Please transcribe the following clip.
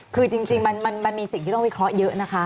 คือจริงมันมีสิ่งที่ต้องวิเคราะห์เยอะนะคะ